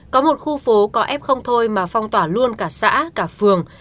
có một khu phố có f không thôi mà phong tỏa luôn cả xã cả phường